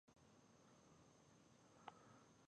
پوخ سنې مېرمن يې په ليدو علاقه منده شوه.